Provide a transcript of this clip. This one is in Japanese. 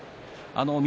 翠